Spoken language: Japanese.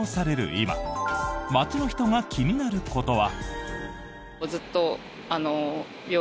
今街の人が気になることは。